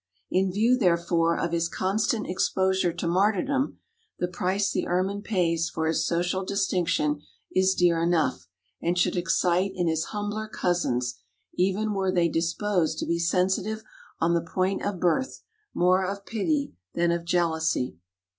In view, therefore, of his constant exposure to martyrdom the price the Ermine pays for his social distinction is dear enough and should excite in his humbler cousins, even were they disposed to be sensitive on the point of birth, more of pity than of jealousy.